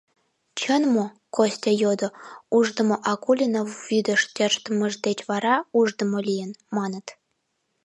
— Чын мо, — Костя йодо, — ушдымо Акулина вӱдыш тӧрштымыж деч вара ушдымо лийын, маныт?